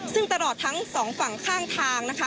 ซึ่งตลอดทั้งสองฝั่งข้างทางนะคะ